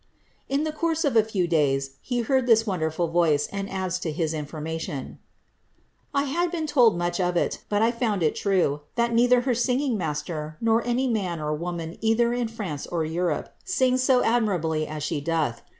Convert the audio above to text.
"' In the course of a few (lays he heard this wonderful voice, and adds to his information, ^ I had been told much of it, but I found it true, that neither her singing mas ter, nor any man or woman either in France or Europe, sings so ad mirably as she doth.